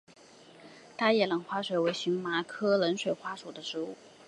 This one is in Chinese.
大叶冷水花为荨麻科冷水花属的植物。